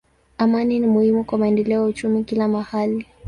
Amani ni muhimu kwa maendeleo ya uchumi kila mahali.